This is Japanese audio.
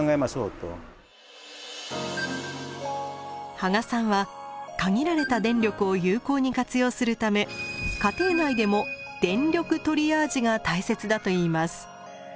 芳賀さんは限られた電力を有効に活用するため家庭内でも「電力トリアージ」が大切だといいます。